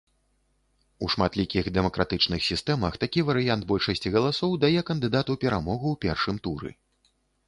У шматлікіх дэмакратычных сістэмах, такі варыянт большасці галасоў дае кандыдату перамогу ў першым туры.